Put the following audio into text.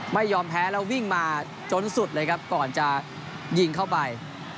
ไม่ยอมแพ้แล้ววิ่งมาจนสุดเลยครับก่อนจะยิงเข้าไป